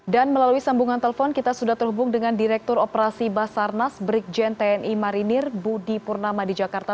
dan melalui sambungan telpon kita sudah terhubung dengan direktur operasi basarnas brikjen tni marinir budi purnama di jakarta